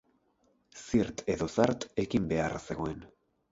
Zirt edo zart egin beharra zegoen.